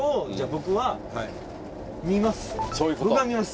僕が見ます。